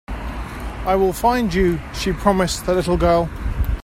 "I will find you.", she promised the little girl.